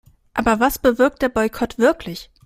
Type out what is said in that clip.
Aber was bewirkt der Boykott wirklich?